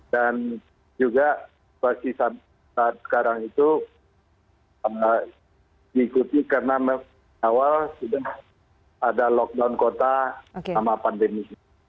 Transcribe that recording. dan juga masih saat sekarang itu diikuti karena awal sudah ada lockdown kota selama pandemi